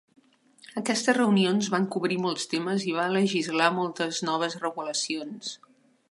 Aquestes reunions van cobrir molts temes i va legislar moltes noves regulacions.